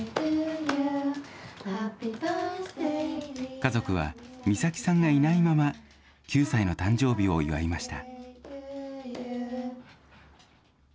家族は、美咲さんがいないまま９歳の誕生日を祝いました。